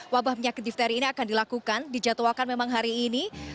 wabah penyakit difteri ini akan dilakukan dijadwalkan memang hari ini